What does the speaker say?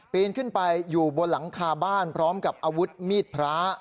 ปีนขึ้นไปอยู่บนหลังคาบ้านพร้อมกับอาวุธมีดพระ